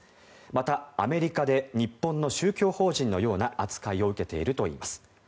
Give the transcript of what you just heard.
また、アメリカで日本の宗教法人のような扱いを受けているといいます。